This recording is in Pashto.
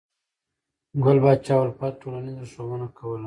ګل پاچا الفت ټولنیزه ښوونه کوله.